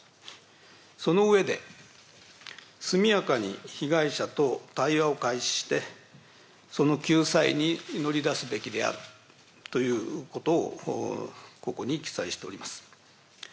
その上で、速やかに被害者と対話を開始して、その救済に乗り出すべきであるということを、ここに記載しております。